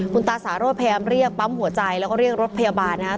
คุณตาสาโรธพยายามเรียกปั๊มหัวใจแล้วก็เรียกรถพยาบาลนะครับ